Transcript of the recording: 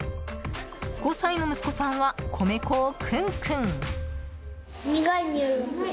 ５歳の息子さんは米粉をくんくん。